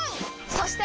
そして！